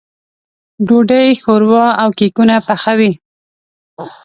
ډوډۍ، ښوروا او کيکونه پخوي.